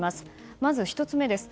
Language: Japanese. まず１つ目です。